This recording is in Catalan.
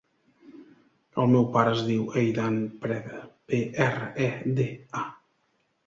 El meu pare es diu Eidan Preda: pe, erra, e, de, a.